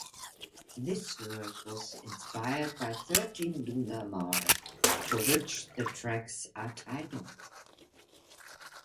This work was inspired by thirteen lunar mare for which the tracks are titled.